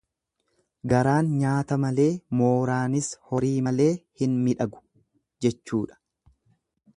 Garaan nyaata malee mooraanis horii malee hin midhagu jechuudha.